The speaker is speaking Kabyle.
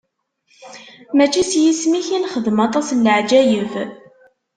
Mačči s yisem-ik i nexdem aṭas n leɛǧayeb?